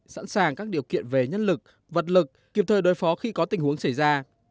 sẵn sàng các điều kiện về nhân lực vật lực kịp thời đối phó khi có tình huống xảy ra